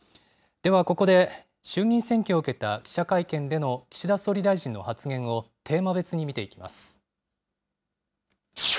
ではここで、衆議院選挙を受けた記者会見での岸田総理大臣の発言を、テーマ別に見ていきます。